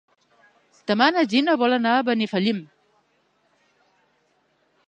Demà na Gina vol anar a Benifallim.